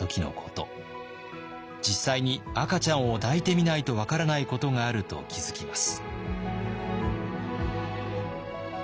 実際に赤ちゃんを抱いてみないと分からないことがあると気付きます。